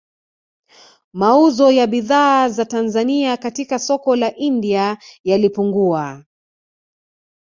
Mauzo ya bidhaa za Tanzania katika soko la India yalipungua